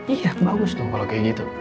iya bagus dong kalau kayak gitu